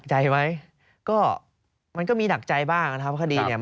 หนักใจไหม